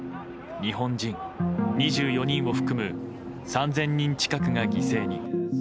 日本人２４人を含む３０００人近くが犠牲に。